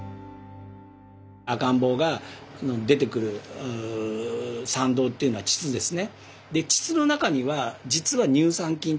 赤ん坊が出てくる産道っていうのは膣ですね。